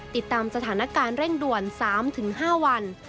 ติดตามสถานการณ์เร่งด่วน๓๕วัน